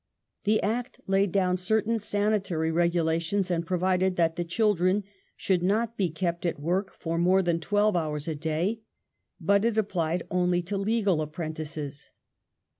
The Act laid down certain sanitary regulations, and provided that the children should not be kept at work for more than twelve hours a day. But it applied only to legal apprentices.